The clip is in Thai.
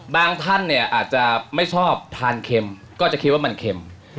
ท่านเนี่ยอาจจะไม่ชอบทานเค็มก็จะคิดว่ามันเค็ม